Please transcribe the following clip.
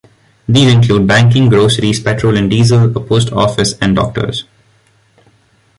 These include banking, groceries, petrol and diesel, a post office, and doctors.